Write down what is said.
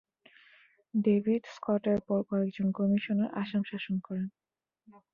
David স্কটের পর কয়েকজন কমিশনার আসাম শাসন করেন।।